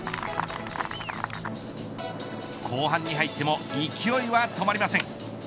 後半に入っても勢いは止まりません。